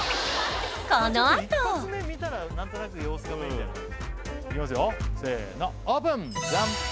ちょっと１発目見たら何となく様子つかめるんじゃないいきますよせーのオープン！